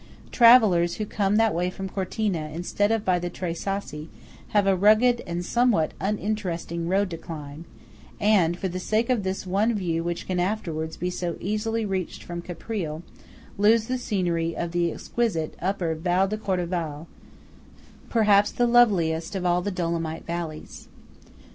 Travellers who come that way from Cortina instead of by the Tre Sassi, have a rugged and somewhat uninteresting road to climb, and, for the sake of this one view which can afterwards be so easily reached from Caprile, lose the scenery of the exquisite upper Val Cordevole–perhaps the loveliest of all the Dolomite valleys.